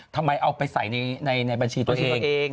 ทำไมเอาไปใส่ในบัญชีตัวเอง